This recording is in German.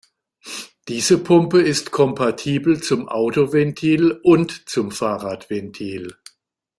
Diese Pumpe ist kompatibel zum Autoventil und zum Fahrradventil.